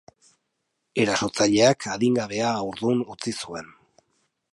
Erasotzaileak adingabea haurdun utzi zuen.